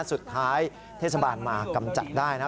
สุดท้ายเทศบาลมากำจัดได้นะ